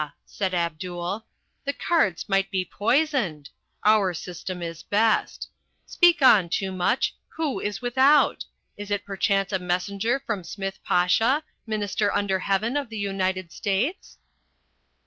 said Abdul. "The cards might be poisoned. Our system is best. Speak on, Toomuch. Who is without? Is it perchance a messenger from Smith Pasha, Minister under Heaven of the United States?"